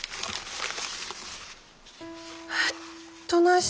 えっどないしたん？